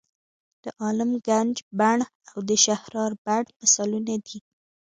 د عالم ګنج بڼ او د شهرارا بڼ مثالونه دي.